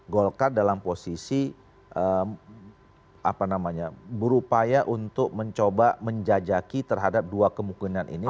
golkar dalam posisi berupaya untuk mencoba menjajaki terhadap dua kemungkinan ini